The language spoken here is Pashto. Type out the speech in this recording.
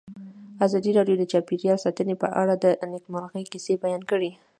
ازادي راډیو د چاپیریال ساتنه په اړه د نېکمرغۍ کیسې بیان کړې.